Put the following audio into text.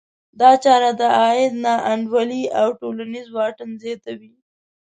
دا چاره د عاید نا انډولي او ټولنیز واټن زیاتوي.